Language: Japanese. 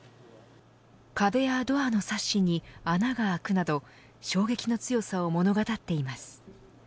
壁やドアのさっしに穴があくなど衝撃の強さを物語っています。